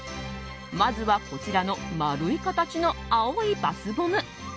まずは、こちらの丸い形の青いバスボム。